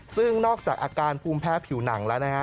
ซึ่งนอกจากอาการภูมิแพ้ผิวหนังแล้วนะฮะ